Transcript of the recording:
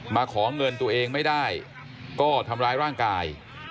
มาขอเงินตัวเองไม่ได้ก็ทำร้ายร่างกาย